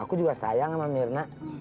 aku juga sayang sama mirna